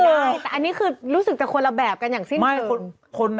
ใช่แต่อันนี้คือรู้สึกจะคนละแบบกันอย่างสิ้นสุด